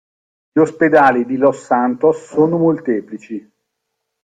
Gli ospedali di Los Santos sono molteplici.